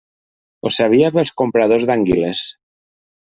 Ho sabia pels compradors d'anguiles.